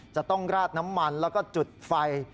จะต้องราดน้ำมันแล้วก็จุดไฟ